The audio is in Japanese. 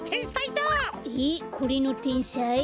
えこれのてんさい？